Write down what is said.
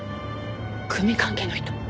組関係の人？